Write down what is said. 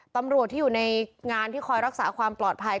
ตำรวจที่อยู่ในงานที่คอยรักษาความปลอดภัย